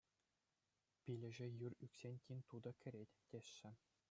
Пилеше юр ӳксен тин тутӑ кӗрет, теҫҫӗ.